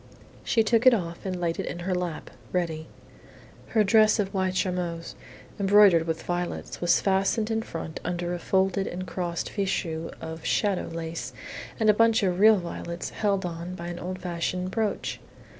She took it off and laid it in her lap, ready. Her dress of white charmeuse, embroidered with violets, was fastened in front under a folded and crossed fichu of "shadow" lace and a bunch of real violets held on by an old fashioned brooch.